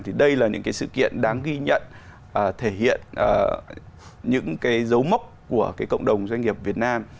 thì đây là những cái sự kiện đáng ghi nhận thể hiện những cái dấu mốc của cái cộng đồng doanh nghiệp việt nam